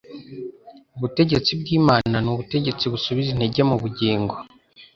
Ubutegetsi bw'Imana ni ubutegetsi busubiza intege mu bugingo,